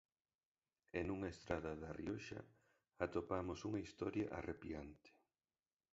E nunha estrada da Rioxa atopamos unha historia arrepiante.